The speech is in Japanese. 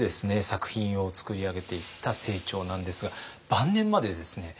作品を作り上げていった清張なんですが晩年までですね